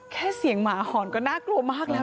แค่เสียงหมาหอนก็น่ากลัวมากแล้ว